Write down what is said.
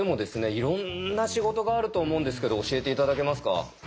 いろんな仕事があると思うんですけど教えて頂けますか？